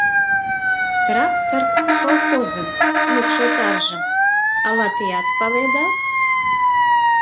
«Трактор» колхозын мӱкшотаржым ала теат паледа?